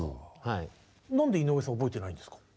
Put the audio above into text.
何で井上さん覚えてないんですか？